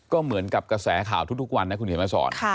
ก็เหมือนกับกระแสข่าวทุกวันนะคุณเขียนมาสอน